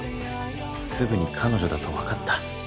すぐに彼女だとわかった。